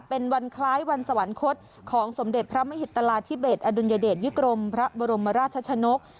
เป็นวันคล้ายวันสวรรคตของสมเด็จพระมหิตราธิเบสอดุลยเดชยุกรมพระบรมราชชนก